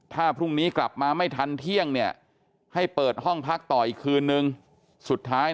ถ้าพรุ่งนี้กลับมาไม่ทันเที่ยงเนี่ยให้เปิดห้องพักต่ออีกคืนนึงสุดท้าย